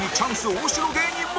大城芸人も！